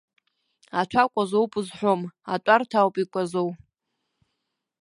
Аҭәа кәазоуп узҳәом, аҭәарҭа ауп икәазоу.